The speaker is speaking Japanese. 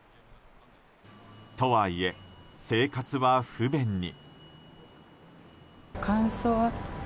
とはいえ、生活は不便に。